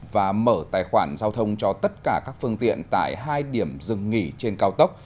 và mở tài khoản giao thông cho tất cả các phương tiện tại hai điểm dừng nghỉ trên cao tốc